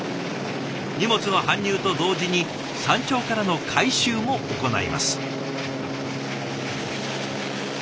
荷物の搬入と同時に山頂からの回収も行います。